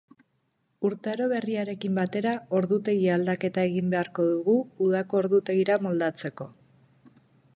Urtaro berriarekin batera ordutegi aldaketa egin beharko dugu, udako ordutegira moldatzeko.